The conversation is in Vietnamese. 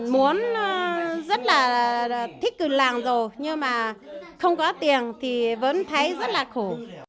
muốn rất là thích làm rồi nhưng mà không có tiền thì vẫn thấy rất là khổ